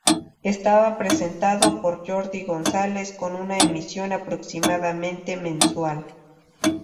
Estaba presentado por Jordi González con una emisión aproximadamente mensual.